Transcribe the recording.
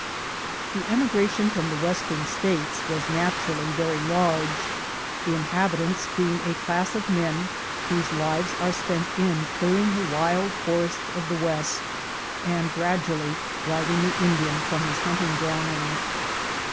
The emigration from the Western States was 15 16 THE GOLD HUNTERS naturally very large, the inhabitants being a class of men whose lives are spent in clearing the wild forests of the West, and gradually driving the Indian from his hunting ground.